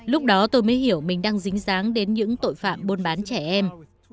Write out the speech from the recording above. lúc đó tôi mới hiểu mình đang dính dáng đến những tội phạm buôn bán trẻ em